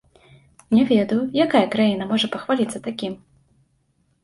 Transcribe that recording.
Не ведаю, якая краіна можа пахваліцца такім.